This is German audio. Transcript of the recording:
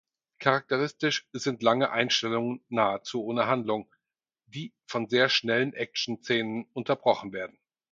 Charakteristisch sind lange Einstellungen nahezu ohne Handlung, die von sehr schnellen Action-Szenen unterbrochen werden.